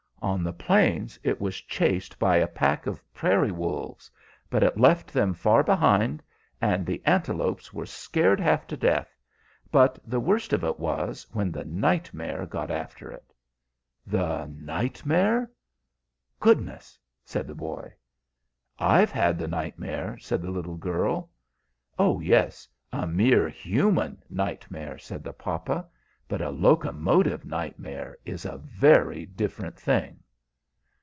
On the plains it was chased by a pack of prairie wolves, but it left them far behind; and the antelopes were scared half to death. But the worst of it was when the nightmare got after it." "The nightmare? Goodness!" said the boy. "I've had the nightmare," said the little girl. "Oh yes, a mere human nightmare," said the papa. "But a locomotive nightmare is a very different thing."